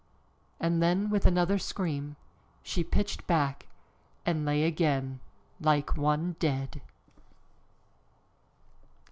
And then, with another scream, she pitched back and lay again like one dead.